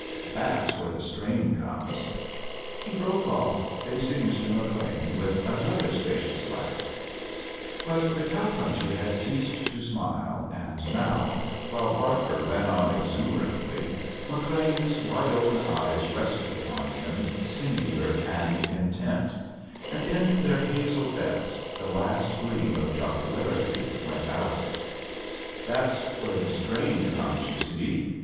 *— that's where the strain comest" he broke off, facing Mr. McLean irith another spacious lat^h* But the cow puncher had ceased to smile, and now, while Barker ran on exuberantly A JOURNEY IN SEARCH OF CHRISTMAS SHcLeaii's wide open eyes rested upon him, singular and intent, and in their hazel depths the last gleam of jocularity went out. " That's where the strain comes, you see.